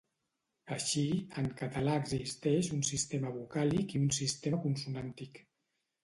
Així, en català existeix un sistema vocàlic i un sistema consonàntic.